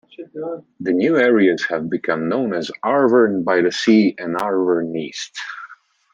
The new areas have become known as Arverne By the Sea and Arverne East.